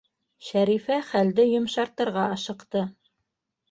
Шәрифә хәлде йомшартырға ашыҡты: